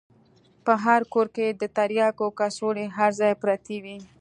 په هر کور کښې د ترياکو کڅوړې هر ځاى پرتې وې.